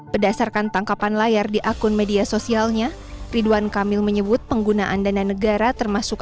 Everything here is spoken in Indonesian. berdasarkan tangkapan layar di akun media sosialnya ridwan kamil menyebut penggunaan dana negara termasuk